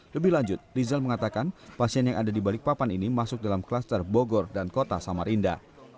lebih lanjut rizal mengatakan pasien yang ada di balikpapan ini masuk dalam kluster bogor dan kota samarinda